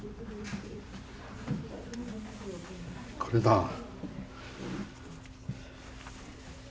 これだ。